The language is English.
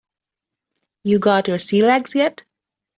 You got your sea legs yet?